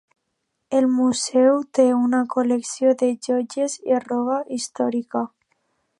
El museu té una col·lecció de joies i roba històrica.